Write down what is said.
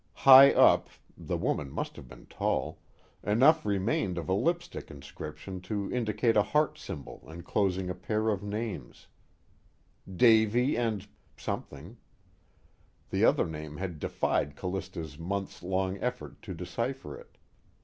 High up the woman must have been tall enough remained of a lipstick inscription to indicate a heart symbol enclosing a pair of names: DAVY &: the other name had defied Callista's months long effort to decipher it.